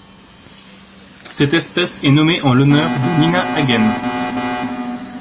Cette espèce est nommée en l'honneur de Nina Hagen.